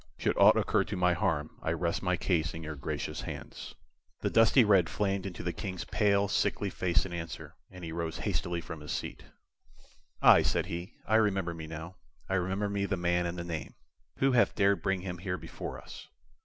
Should aught occur to my harm, I rest my case in your gracious hands." The dusty red flamed into the King's pale, sickly face in answer, and he rose hastily from his seat. "Aye," said he, "I remember me now I remember me the man and the name! Who hath dared bring him here before us?"